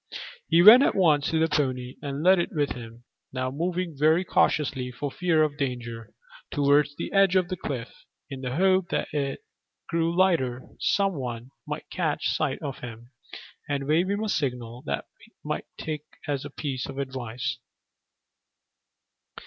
He went at once to the pony and led it with him, now moving very cautiously for fear of danger, towards the edge of the cliff, in the hope that as it grew lighter some one might catch sight of him and wave him a signal that he might take as a piece of advice.